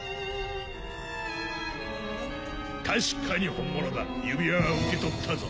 確かに本物だ指輪は受け取ったぞ。